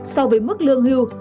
so với mức lương hưu